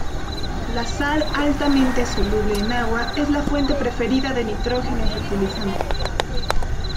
La sal altamente soluble en agua es la fuente preferida de nitrógeno en fertilizantes.